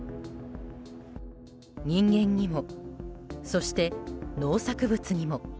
人間にも、そして農作物にも。